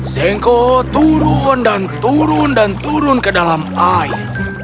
jengko turun dan turun dan turun ke dalam air